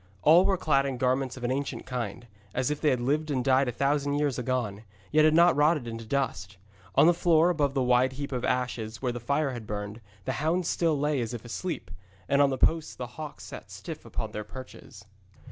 All were clad in garments of an ancient kind, as if they had lived and died a thousand years agone, yet had not rotted into dust. On the floor, about the wide heap of ashes where the fire had burned, the hounds still lay as if asleep, and on the posts the hawks sat stiff upon their perches.